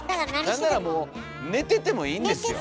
なんならもう寝ててもいいんですよ。